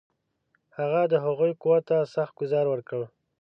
هغه د هغوی قوت ته سخت ګوزار ورکړ.